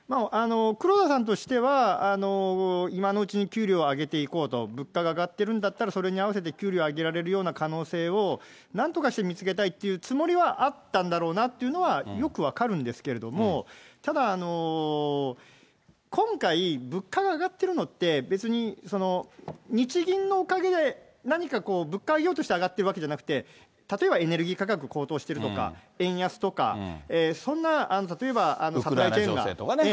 黒田さんとしては、今のうちに給料を上げていこうと、物価が上がっているんだったら、それに合わせて給料を上げられるような可能性をなんとかして見つけたいというつもりはあったんだろうなっていうのは、よく分かるんですけれども、ただ、今回、物価が上がってるのって、別に日銀のおかげで何かこう、物価上げようとして上がってるわけじゃなくて、例えばエネルギー価格高騰しているとか、円安とか、そんな、ウクライナ情勢とかね。